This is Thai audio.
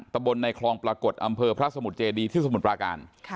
ตะบนในคลองปรากฏอำเภอพระสมุทรเจดีที่สมุทรปราการ